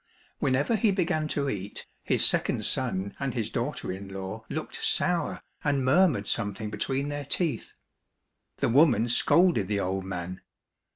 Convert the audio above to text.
When ever he began to eat, his second son and his daughter in law looked sour and murmured something between their teeth. The woman scolded the old man.